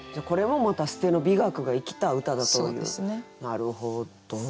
なるほど。